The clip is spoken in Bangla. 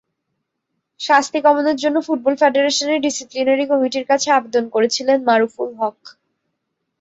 শাস্তি কমানোর জন্য ফুটবল ফেডারেশনের ডিসিপ্লিনারি কমিটির কাছে আবেদন করেছিলেন মারুফুল হক।